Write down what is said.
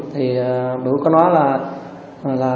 thì bữa có nói là